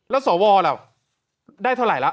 แล้วสววล่ะ